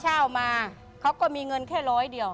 เช่ามาเขาก็มีเงินแค่ร้อยเดียว